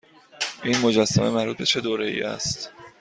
این مجسمه مربوط به چه دوره ای است؟